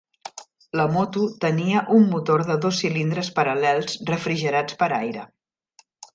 La moto tenia un motor de dos cilindres paral·lels refrigerat per aire.